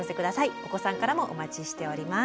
お子さんからもお待ちしております。